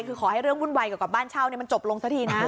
คือขอให้เรื่องวุ่นวายเกี่ยวกับบ้านเช่ามันจบลงสักทีนะ